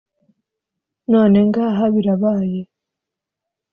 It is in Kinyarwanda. none ngaha birabaye.